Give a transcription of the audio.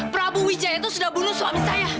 prabu wijaya itu sudah bunuh suami saya